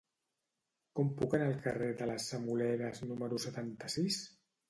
Com puc anar al carrer de les Semoleres número setanta-sis?